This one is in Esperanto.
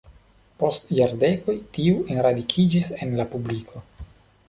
Post jardekoj tiu enradikiĝis en la publiko.